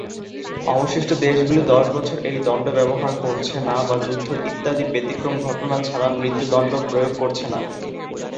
অবশিষ্ট দেশগুলি দশ বছর এই দণ্ড ব্যবহার করছে না বা যুদ্ধ ইত্যাদি ব্যতিক্রমী ঘটনা ছাড়া মৃত্যুদণ্ড প্রয়োগ করছে না।